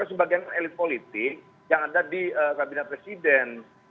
sebagian elit politik yang ada di kabinet presiden